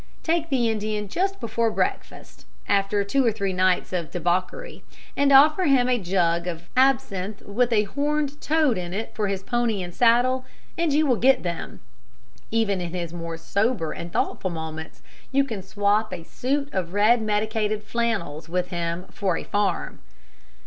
Take the Indian just before breakfast after two or three nights of debauchery, and offer him a jug of absinthe with a horned toad in it for his pony and saddle, and you will get them. Even in his more sober and thoughtful moments you can swap a suit of red medicated flannels with him for a farm.